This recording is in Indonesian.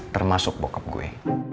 termasuk bokap gue